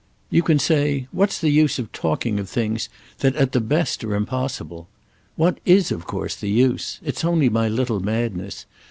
You can say 'What's the use of talking of things that at the best are impossible?' What is of course the use? It's only my little madness.